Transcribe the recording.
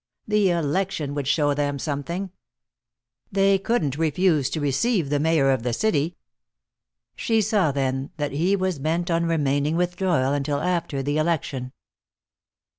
The election would show them something. They couldn't refuse to receive the mayor of the city. She saw then that he was bent on remaining with Doyle until after the election.